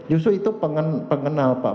justru itu pengenal pak